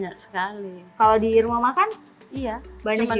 kalau di rumah makan banyak juga